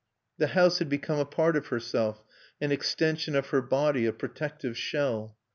The house had become a part of herself, an extension of her body, a protective shell.